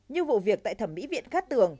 như vụ việc tại thẩm mỹ viện khát tường